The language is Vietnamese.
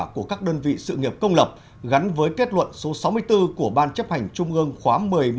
của các đơn vị sự nghiệp công lập gắn với kết luận số sáu mươi bốn của ban chấp hành trung ương khóa một mươi một